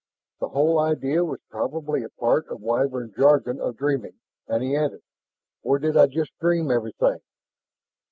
The whole idea was probably a part of the Wyvern jargon of dreaming and he added, "Or did I just dream everything?"